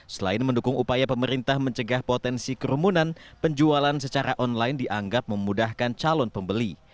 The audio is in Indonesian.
selain mendukung upaya pemerintah mencegah potensi kerumunan penjualan secara online dianggap memudahkan calon pembeli